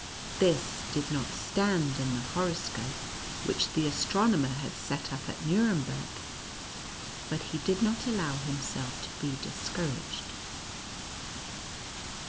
This did not stand in the horoscope which the as tronomer had set up at Nuremberg, but he did not allow himself to be discouraged.